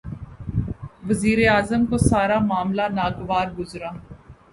وزیر اعظم کو سارا معاملہ ناگوار گزرا۔